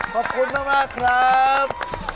ขอบคุณมากครับ